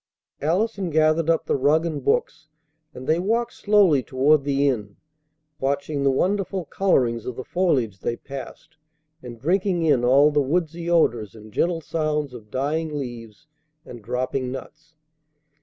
Allison gathered up the rug and books, and they walked slowly toward the inn, watching the wonderful colorings of the foliage they passed, and drinking in all the woodsy odors and gentle sounds of dying leaves and dropping nuts.